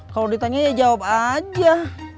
kalau ditanya ya jawab aja